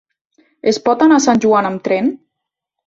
Es pot anar a Sant Joan amb tren?